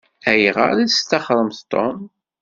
Ayɣer i testaxṛemt Tom?